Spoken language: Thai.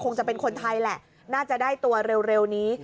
จะเป็นคนไทยแหละน่าจะได้ตัวเร็วนี้